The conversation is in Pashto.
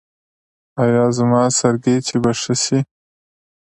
ایا زما سرگیچي به ښه شي؟